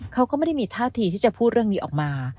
เขาก็ไม่ได้มีท่าทีที่จะพูดเรื่องนี้ออกมา